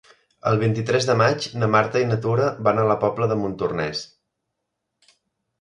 El vint-i-tres de maig na Marta i na Tura van a la Pobla de Montornès.